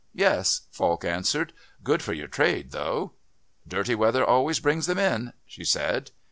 "Yes," Falk answered. "Good for your trade, though." "Dirty weather always brings them in," she said.